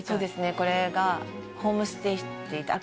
これがホームステイしていたあっ